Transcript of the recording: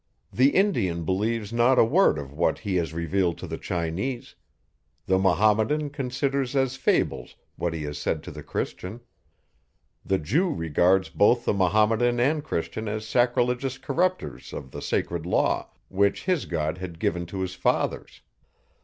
The Indian believes not a word of what He has revealed to the Chinese; the Mahometan considers as fables what He has said to the Christian; the Jew regards both the Mahometan and Christian as sacrilegious corrupters of the sacred law, which his God had given to his fathers.